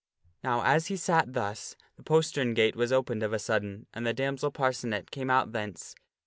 Now, as he sat thus, the postern gate was opened of a sudden, and the damsel Parcenet came out thence.